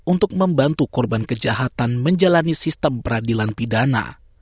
untuk membantu korban kejahatan menjalani sistem peradilan pidana